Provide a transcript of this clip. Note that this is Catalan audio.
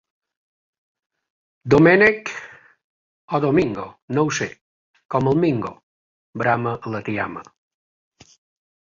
Domènec o Domingo, no ho sé, com el Mingo –brama la tiama–.